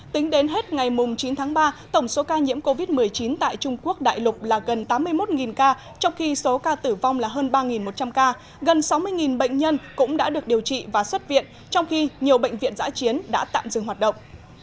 tính đến hết ngày chín tháng ba tổng số ca nhiễm covid một mươi chín tại trung quốc đại lục là gần tám mươi một ca trong khi số ca tử vong là hơn ba một trăm linh ca gần sáu mươi bệnh nhân cũng đã được điều trị và xuất viện trong khi nhiều bệnh viện giã chiến đã tạm dừng hoạt động